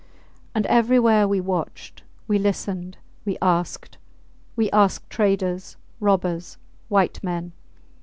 And everywhere we watched, we listened, we asked. We asked traders, robbers, white men.